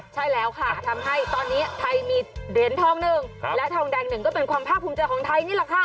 ใช่แล้วค่ะทำให้ตอนนี้ไทยมีเหรียญทอง๑และทองแดงหนึ่งก็เป็นความภาคภูมิใจของไทยนี่แหละค่ะ